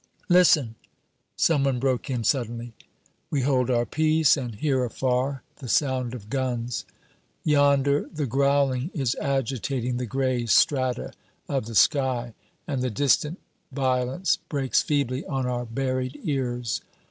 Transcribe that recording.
"Listen!" some one broke in suddenly. We hold our peace, and hear afar the sound of guns. Yonder, the growling is agitating the gray strata of the sky, and the distant violence breaks feebly on our buried ears.